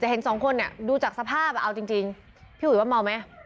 แต่เห็นสองคนเนี่ยดูจากสภาพเอาจริงพี่อุ๋ยว่าเมาไหม